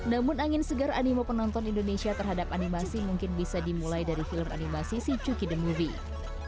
namun angin segar animo penonton indonesia terhadap animasi mungkin bisa dimulai dari film animasi si cuki the movie